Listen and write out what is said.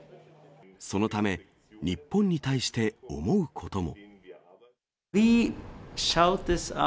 そのため、日本に対して思うことも。